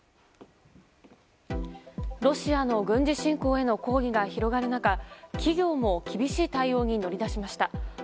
ロシアの軍事侵攻への抗議が広がる中企業も厳しい対応に乗り出しました。